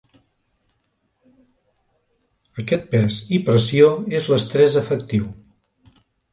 Aquest pes i pressió és l'estrès efectiu.